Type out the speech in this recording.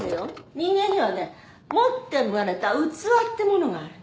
人間にはね持って生まれた器ってものがあるの。